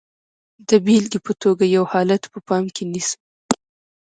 د بېلګې په توګه یو حالت په پام کې نیسو.